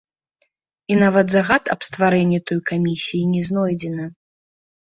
І нават загад аб стварэнні той камісіі не знойдзены.